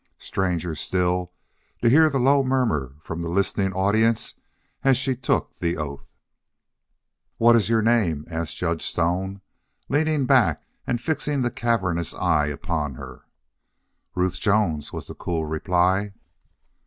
Stranger still to hear the low murmur from the listening audience as she took the oath! "What is your name?" asked Judge Stone, leaning back and fixing the cavernous eyes upon her. "Ruth Jones," was the cool reply.